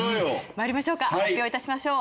まいりましょうか発表いたしましょう。